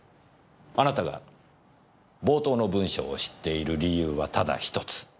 あなたが冒頭の文章を知っている理由はただ１つ。